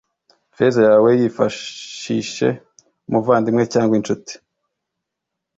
Feza yawe, yifashishe umuvandimwe cyangwa incuti,